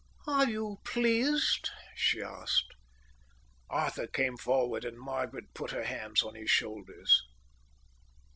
"Are you pleased?" she asked. Arthur came forward and Margaret put her hands on his shoulders.